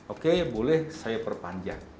oke boleh saya perpanjang